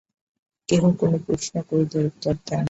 কেহ কোন প্রশ্ন করিলে উত্তর দেন না।